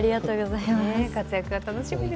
活躍が楽しみです。